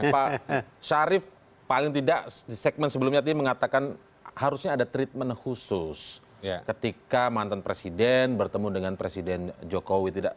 pak syarif paling tidak di segmen sebelumnya tadi mengatakan harusnya ada treatment khusus ketika mantan presiden bertemu dengan presiden jokowi